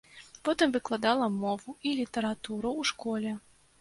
Потым выкладала мову і літаратуру ў школе.